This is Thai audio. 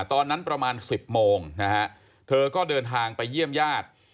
ตอนนั้นประมาณ๑๐โมงนะฮะเธอก็เดินทางไปเยี่ยมญาติ